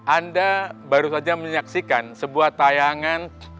anda baru saja menyaksikan sebuah tayangan